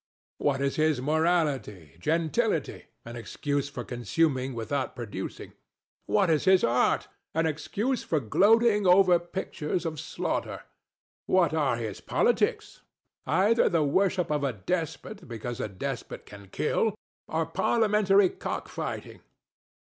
What is his morality? Gentility! an excuse for consuming without producing. What is his art? An excuse for gloating over pictures of slaughter. What are his politics? Either the worship of a despot because a despot can kill, or parliamentary cockfighting.